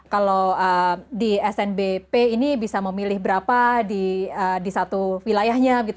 kalau di snbp ini bisa memilih berapa di satu wilayahnya